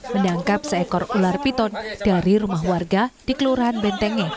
menangkap seekor ular piton dari rumah warga di kelurahan bentengi